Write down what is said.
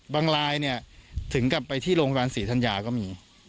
ลายเนี่ยถึงกลับไปที่โรงพยาบาลศรีธัญญาก็มี